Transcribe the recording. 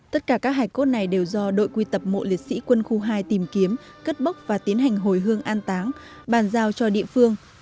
tất cả các hải cốt này đều do đội quy tập mộ liệt sĩ quân khu hai tìm kiếm cất bốc và tiến hành hồi hương an táng bàn giao cho địa phương